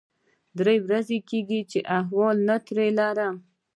درې ورځې کېږي چې احوال نه ترې لرم.